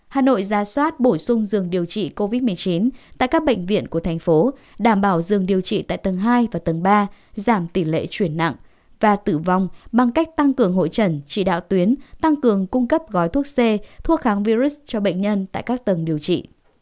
hà nội ra soát bổ sung giường điều trị covid một mươi chín tại các bệnh viện của thành phố đảm bảo dừng điều trị tại tầng hai và tầng ba giảm tỷ lệ chuyển nặng và tử vong bằng cách tăng cường hội trần chỉ đạo tuyến tăng cường cung cấp gói thuốc c thuốc kháng virus cho bệnh nhân tại các tầng điều trị